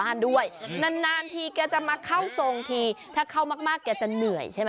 ด้วยนานนานทีแกจะมาเข้าทรงทีถ้าเข้ามากแกจะเหนื่อยใช่ไหม